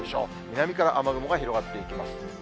南から雨雲が広がっていきます。